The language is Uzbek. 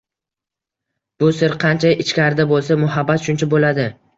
Bu sir qancha ichkarida bo‘lsa, muhabbat shuncha bo‘ladi